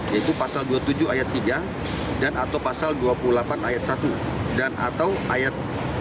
yaitu pasal dua puluh tujuh ayat tiga dan atau pasal dua puluh delapan ayat satu dan atau ayat dua